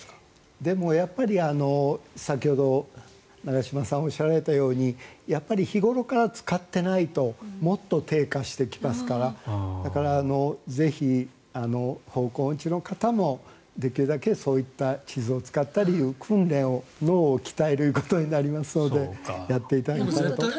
でもやっぱり、先ほど長嶋さんがおっしゃられたように日頃から使っていないともっと低下してきますからだから、ぜひ方向音痴の方もできるだけそういった地図を使ったりという訓練を、脳を鍛えるということになりますのでやっていただきたいなと。